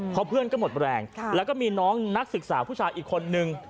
เพราะเพื่อนก็หมดแรงแล้วก็มีน้องนักศึกษาผู้ชายอีกคนนึง